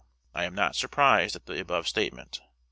I am not surprised at the above statement.